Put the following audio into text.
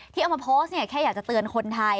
เอามาโพสต์เนี่ยแค่อยากจะเตือนคนไทย